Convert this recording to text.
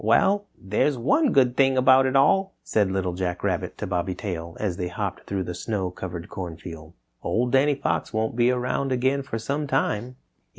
"Well, there's one good thing about it all," said Little Jack Rabbit to Bobby Tail as they hopped through the snow covered corn field, "Old Danny Fox won't be around again for some time."